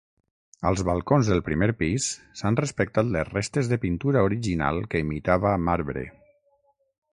Als balcons del primer pis, s'han respectat les restes de pintura original que imitava marbre.